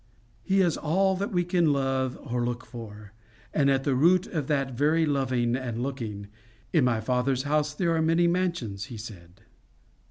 He is all that we can love or look for, and at the root of that very loving and looking. 'In my Father's house are many mansions,' he said.